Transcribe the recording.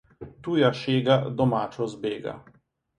Tuja šega domačo zbega.